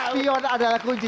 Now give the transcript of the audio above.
spion adalah kunci